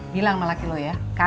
bilang sama laki lu ya